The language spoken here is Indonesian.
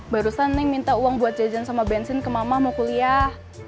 barusan nih minta uang buat jajan sama bensin ke mama mau kuliah